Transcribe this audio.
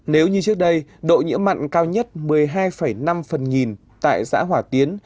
nếu như trước đây độ nhiễm mặn cao nhất một mươi hai năm phần nghìn tại xã hỏa tiến